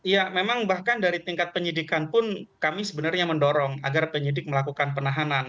ya memang bahkan dari tingkat penyidikan pun kami sebenarnya mendorong agar penyidik melakukan penahanan